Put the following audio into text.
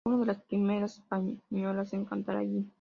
Fue una de las primeras españolas en cantar allí.